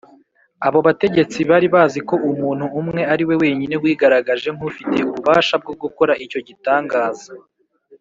Abo bategetsi bari bazi ko Umuntu Umwe ari we wenyine wigaragaje nk’ufite ububasha bwo gukora icyo gitangaza